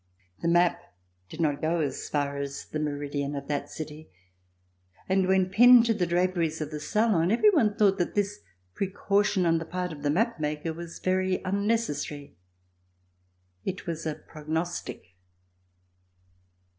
The map did not go as far as the meridian of that city, and when pinned to the draperies of the salon, every one thought that this precaution on the part of the map maker was very unnecessary. It was a prognostic!